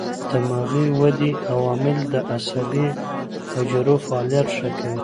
دماغي ودې عوامل د عصبي حجرو فعالیت ښه کوي.